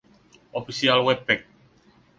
Official Webpage